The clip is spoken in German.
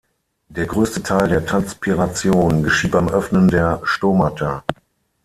Der größte Teil der Transpiration geschieht beim Öffnen der Stomata.